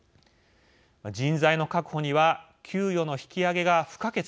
人材の確保には給与の引き上げが不可欠です。